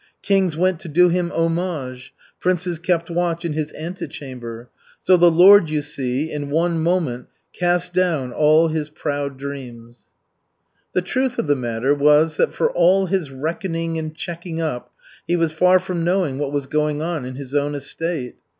Kings went to do him homage, princes kept watch in his antechamber. So the Lord, you see, in one moment cast down all his proud dreams." The truth of the matter was that for all his reckoning and checking up he was far from knowing what was going on on his own estate.